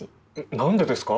何でですか？